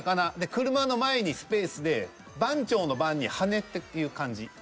「車」の前にスペースで番長の「番」に「羽」っていう漢字。